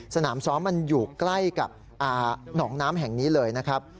สนามซ้อมมันอยู่ใกล้กับหนองน้ำแห่งนี้เลยนะครับ